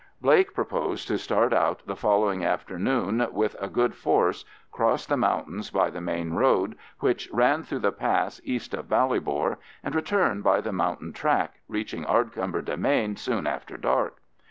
Blake proposed to start out the following afternoon with a good force, cross the mountains by the main road, which ran through a pass due east of Ballybor, and return by the mountain track, reaching Ardcumber demesne soon after dark.